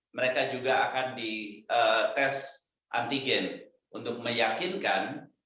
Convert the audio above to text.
mereka juga akan di tes antigen untuk meyakinkan